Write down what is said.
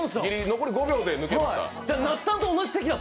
残り５秒で抜けました。